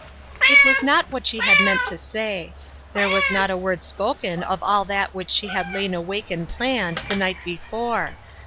It was not what she had meant to say ; there was not a word spoken of all that which she had BELATED WORK. 24 5 lain awake and planned, the night before.